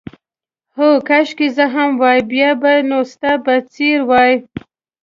هو، کاشکې زه هم وای، بیا به نو ستا په څېر وای.